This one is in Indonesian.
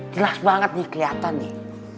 jelas banget nih kelihatan nih